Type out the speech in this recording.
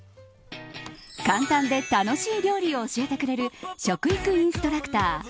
簡単で楽しい料理を教えてくれる食育インストラクター